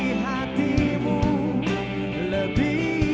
melepasmu dari ladanya